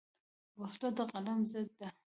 وسله د قلم ضد ده